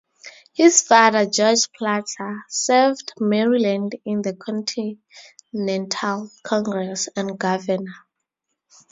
His father, George Plater, served Maryland in the Continental Congress and governor.